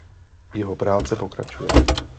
Jeho práce pokračuje.